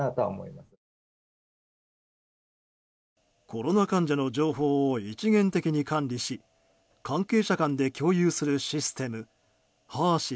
コロナ患者の情報を一元的に管理し関係者間で共有するシステムＨＥＲ‐ＳＹＳ。